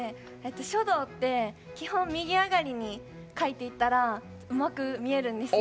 書道って基本、右上がりに書いていったらうまく見えるんですよ。